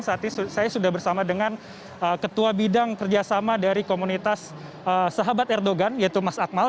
saat ini saya sudah bersama dengan ketua bidang kerjasama dari komunitas sahabat erdogan yaitu mas akmal